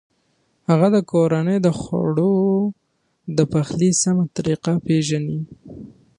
هغه د کورنۍ د خوړو د پخلي سمه طریقه پېژني.